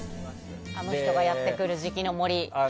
アノ人がやってくる時期の森。